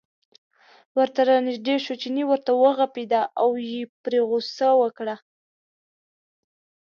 ورته را نژدې شو، چیني ورته و غپېده او یې پرې غوسه وکړه.